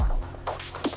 abang spikes apolih lu